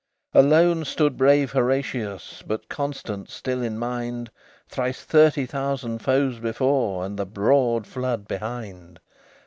LVII Alone stood brave Horatius, But constant still in mind; Thrice thirty thousand foes before, And the broad flood behind.